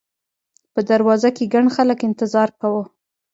په دروازو کې ګڼ خلک انتظار کاوه.